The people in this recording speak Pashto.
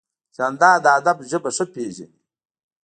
جانداد د ادب ژبه ښه پېژني.